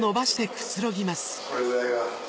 これぐらいが。